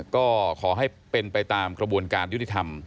ก็ขอให้เป็นไปตามกระบวนการยุติธรรม